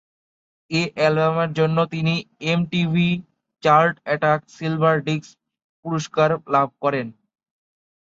এ অ্যালবামের জন্য তিনি MTV chart attack silver disc পুরস্কার লাভ করেন।